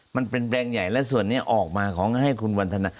มันเป็นแบรนด์ใหญ่และส่วนนี้ออกมาขอให้คุณวันทนา